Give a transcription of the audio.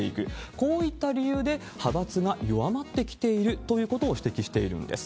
こういった理由で、派閥が弱まってきているということを指摘しているんです。